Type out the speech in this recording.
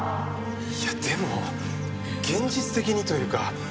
いやでも現実的にというか。